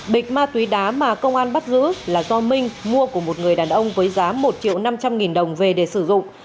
bịch ma túy đá mà công an bắt giữ là do minh mua của một người đàn ông với giá một triệu năm trăm linh nghìn đồng về để sử dụng